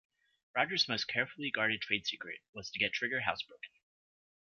Roger's most carefully guarded trade secret was to get Trigger housebroken.